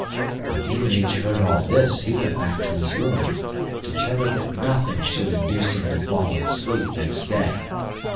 When Iwanich heard all this he went back to his room, determined that nothing should induce him to fall asleep next day.